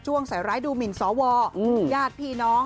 ใส่ร้ายดูหมินสวญาติพี่น้อง